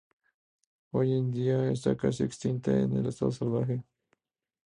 Hoy en día está casi extinta en estado salvaje.